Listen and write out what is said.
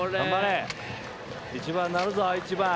１番なるぞ１番。